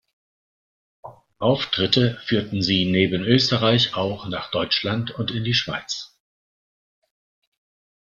Auftritte führten sie neben Österreich auch nach Deutschland und in die Schweiz.